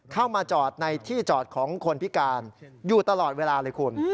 เข้ามาจอดในที่จอดของคนพิการอยู่ตลอดเวลาเลยคุณ